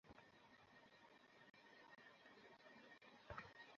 চিন্তাটা ছিল, ভালো বলগুলো কোনোমতে সামলে বাজে বলের জন্য অপেক্ষা করা।